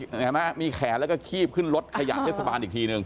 เห็นไหมมีแขนแล้วก็คีบขึ้นรถขยะเทศบาลอีกทีนึง